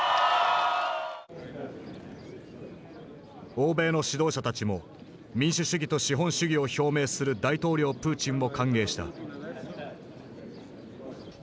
欧米の指導者たちも民主主義と資本主義を表明する大統領プーチンを歓迎した。